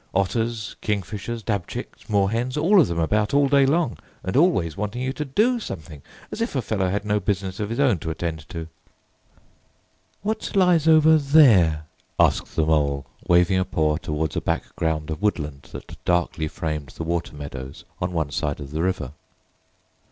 Otters, kingfishers, dabchicks, moorhens, all of them about all day long and always wanting you to do something—as if a fellow had no business of his own to attend to!" "What lies over there?" asked the Mole, waving a paw towards a background of woodland that darkly framed the water meadows on one side of the river.